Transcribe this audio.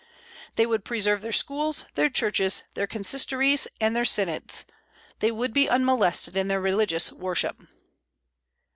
They would preserve their schools, their churches, their consistories, and their synods; they would be unmolested in their religious worship.